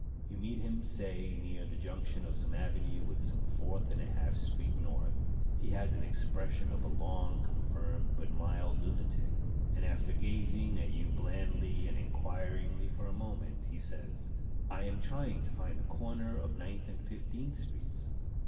You meet him, say, near the junction of some avenue with some Fourth and a Half Street north. He has the expression of a long confirmed but mild lunatic; and after gazing at you blandly and inquiringly for a moment, he says, "I am trying to find the corner of Ninth and Fifteenth streets."